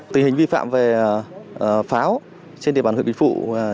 tình hình vi phạm về pháo trên địa bàn huyện kỳ phụ